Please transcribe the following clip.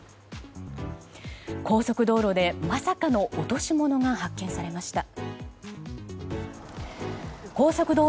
高速道路でまさかの落とし物が発見されました。